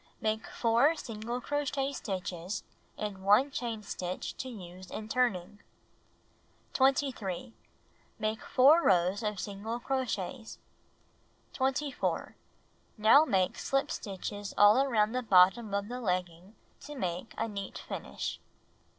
Make 4 single crochet stitches and 1 chain stitch to use in turning. 23. Make 4 rows of single crochets. 24. Now make slip stitches all around the bottom of the legging to make a neat finish.